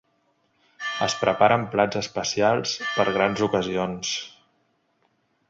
Es preparen plats especials per a grans ocasions.